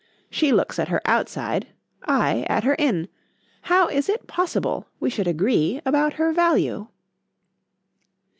—She looks at her outside,—I, at her in—. How is it possible we should agree about her value?